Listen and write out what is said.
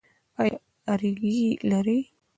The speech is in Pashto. ایا اریګی لرئ؟